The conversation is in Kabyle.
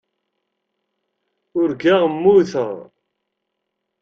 Urgaɣ mmuteɣ.